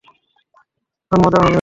এখন মজা হবে!